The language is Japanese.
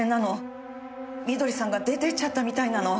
美登里さんが出ていっちゃったみたいなの。